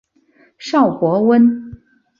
邵伯温。